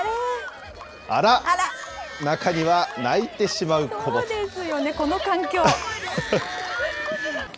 あらっ、中には泣いてしまうそうですよね、この環境。